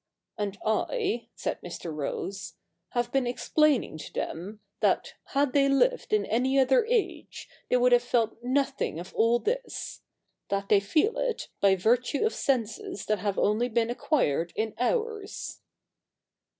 ' And I,' said Mr. Rose, ' have been explaining to them, that, had they lived in any other age, they would have felt nothing of all this ; that they feel it, by virtue ot senses that have only been acquired in ours.'